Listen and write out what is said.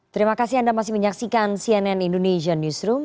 terima kasih anda masih menyaksikan cnn indonesia newsroom